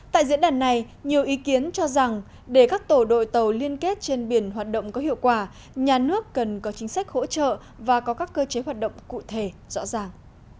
tại diễn đàn này nhiều ý kiến cho rằng để các tổ đội tàu liên kết trên biển hoạt động có hiệu quả nhà nước cần có chính sách hỗ trợ và có các cơ chế hoạt động cụ thể rõ ràng